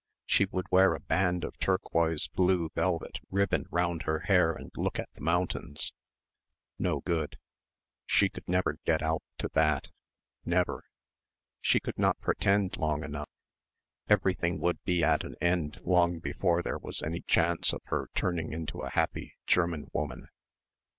She would wear a band of turquoise blue velvet ribbon round her hair and look at the mountains.... No good. She could never get out to that. Never. She could not pretend long enough. Everything would be at an end long before there was any chance of her turning into a happy German woman.